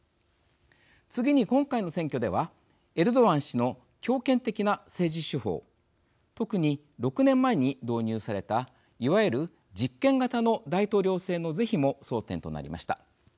次に今回の選挙ではエルドアン氏の強権的な政治手法特に６年前に導入されたいわゆる実権型の大統領制の是非も争点となりました。